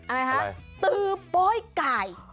อะไรคะ